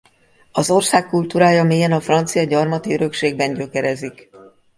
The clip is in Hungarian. Az ország kultúrája mélyen a francia gyarmati örökségben gyökerezik.